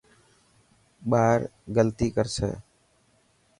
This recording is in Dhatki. ٻاڙ غلطي ڪرسي.